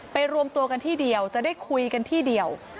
รวมตัวกันที่เดียวจะได้คุยกันที่เดียว